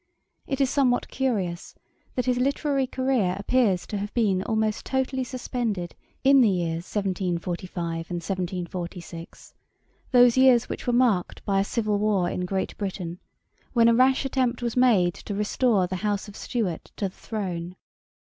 It is somewhat curious, that his literary career appears to have been almost totally suspended in the years 1745 and 1746, those years which were marked by a civil war in Great Britain, when a rash attempt was made to restore the House of Stuart to the throne.